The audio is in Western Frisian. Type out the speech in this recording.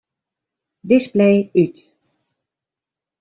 Display út.